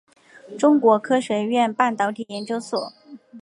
中国科学院半导体研究所。